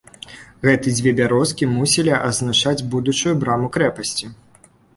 Гэтыя дзве бярозкі мусілі азначаць будучую браму крэпасці.